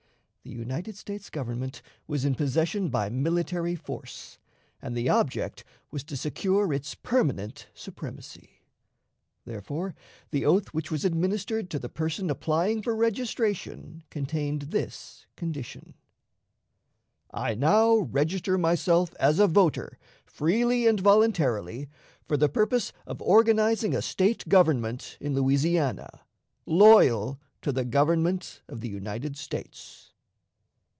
The United States Government was in possession by military force, and the object was to secure its permanent supremacy. Therefore, the oath which was administered to the person applying for registration contained this condition: "I now register myself as a voter, freely and voluntarily, for the purpose of organizing a State government in Louisiana, loyal to the Government of the United States."